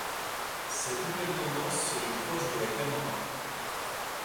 Cette nouvelle tendance serait proche de la Camorra.